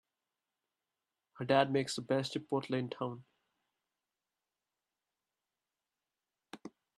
Her dad makes the best chipotle in town!